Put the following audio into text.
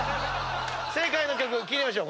正解の曲聴いてみましょう。